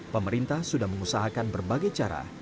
pemerintah sudah mengusahakan berbagai cara